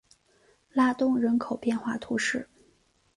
拉东人口变化图示